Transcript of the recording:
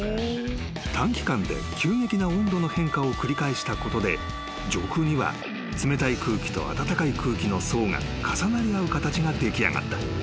［短期間で急激な温度の変化を繰り返したことで上空には冷たい空気と暖かい空気の層が重なり合う形が出来上がった］